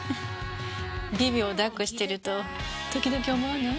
ビビを抱っこしてると時々思わない？